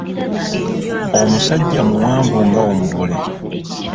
Omusajja muwanvu nga Omuvule.